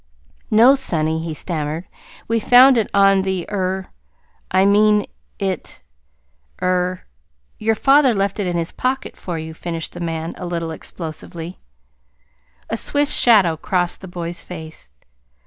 "No, sonny," he stammered. "We found it on the er I mean, it er your father left it in his pocket for you," finished the man, a little explosively. A swift shadow crossed the boy's face.